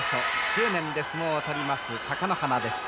執念で相撲を取ります貴ノ花です。